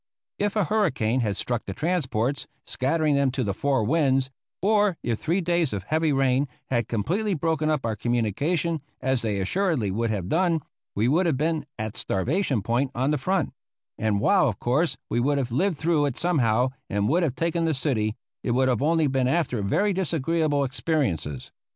If a hurricane had struck the transports, scattering them to the four winds, or if three days of heavy rain had completely broken up our communication, as they assuredly would have done, we would have been at starvation point on the front; and while, of course, we would have lived through it somehow and would have taken the city, it would only have been after very disagreeable experiences.